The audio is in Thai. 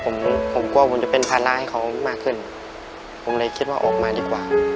ผมผมกลัวผมจะเป็นภาระให้เขามากขึ้นผมเลยคิดว่าออกมาดีกว่า